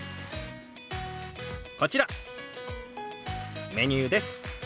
こちらメニューです。